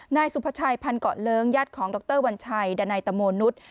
นายสุภาชัยพันเกาะเลิ้งญาติของดรวัญชัยดานัยตะโมนุษย์